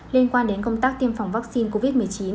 liên quan đến công tác tiêm phòng vaccine covid một mươi chín